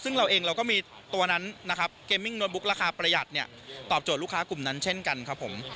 ซึ่งเราเองเราก็มีตัวนั้นนะครับเกมมิ่งโน้ตบุ๊กราคาประหยัดเนี่ยตอบโจทย์ลูกค้ากลุ่มนั้นเช่นกันครับผม